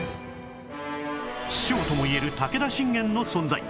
師匠とも言える武田信玄の存在